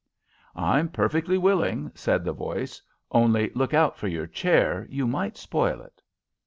"I'm perfectly willing," said the voice; "only look out for your chair. You might spoil it."